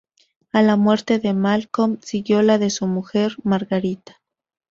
A la muerte de Malcom, siguió la de su mujer, Margarita.